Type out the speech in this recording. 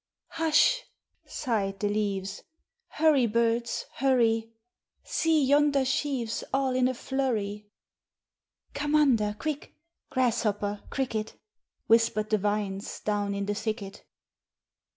"Hush!" sighed the leaves; "Hurry, birds, hurry! See yonder sheaves All in a flurry." "Come under quick, Grasshopper, cricket!" Whispered the vines Down in the thicket.